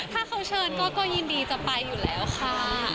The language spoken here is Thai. ถ้าเขาเชิญก็ยินดีจะไปอยู่แล้วค่ะ